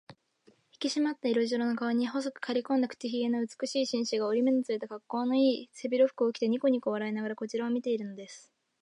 ひきしまった色白の顔に、細くかりこんだ口ひげの美しい紳士が、折り目のついた、かっこうのいい背広服を着て、にこにこ笑いながらこちらを見ているのです。